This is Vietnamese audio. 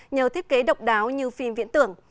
nhờ thiết kế độc đáo như phim viễn tưởng